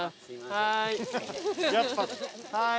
はい。